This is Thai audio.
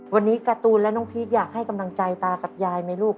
วันนี้การ์ตูนและน้องพีชอยากให้กำลังใจตากับยายไหมลูก